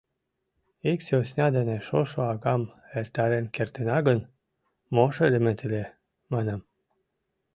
— Ик сӧсна дене шошо агам эртарен кертына гын, мо шеремет ыле, — манам.